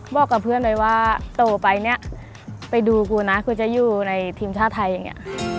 บอกกับเพื่อนเลยว่าโตไปเนี่ยไปดูกูนะกูจะอยู่ในทีมชาติไทยอย่างนี้